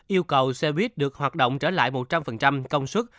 yêu cầu xe buýt được hoạt động trở lại một trăm linh công sức